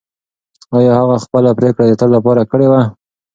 ایا هغې خپله پرېکړه د تل لپاره کړې وه؟